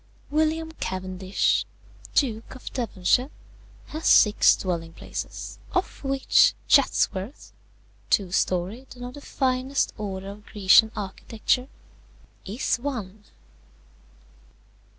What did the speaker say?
"William Cavendish, Duke of Devonshire, has six dwelling places, of which Chatsworth (two storied, and of the finest order of Grecian architecture) is one.